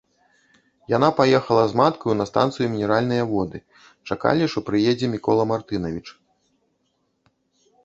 Яна паехала з маткаю на станцыю Мінеральныя Воды: чакалі, што прыедзе Мікола Мартынавіч.